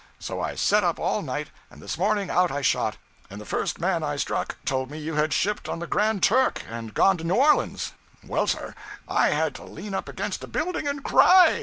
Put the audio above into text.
So I set up all night, and this morning out I shot, and the first man I struck told me you had shipped on the "Grand Turk" and gone to New Orleans. Well, sir, I had to lean up against a building and cry.